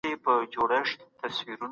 موږه يې ښه وايو